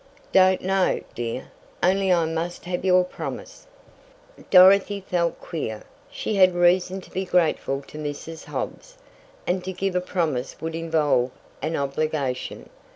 "Don't know, dear, only I must have your promise." Dorothy felt queer she had reason to be grateful to Mrs. Hobbs, and to give a promise would involve an obligation.